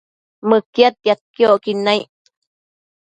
Mëquiadtiadquio icquid naic